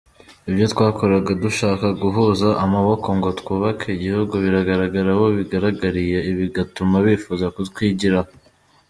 Ibyo twakoraga dushaka guhuza amaboko ngo twubake igihugu biragaragara, abo bigaragariye bigatuma bifuza kutwigiraho.